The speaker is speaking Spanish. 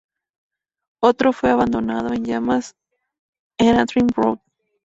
Otro fue abandonado en llamas en Antrim Road.